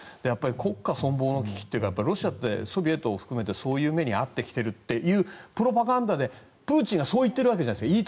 国家存亡の危機というかロシアってソビエトを含めてそういう目に遭ってきているというプロパガンダでプーチンがそう言ってるわけじゃないですか。